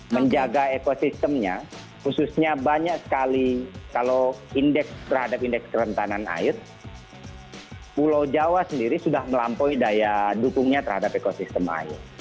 menjaga ekosistemnya khususnya banyak sekali kalau terhadap indeks kerentanan air pulau jawa sendiri sudah melampaui daya dukungnya terhadap ekosistem air